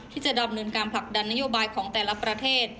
ที่จะดำเนินการผลักดันนโยบายของแต่ละประเทศ